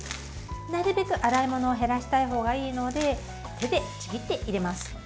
なるべく洗い物を減らした方がいいので手でちぎって入れます。